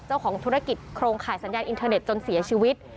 เจ้าของธุรกิจโครงข่ายสัญญาณอินเทอร์เน็ตจนเสียชีวิต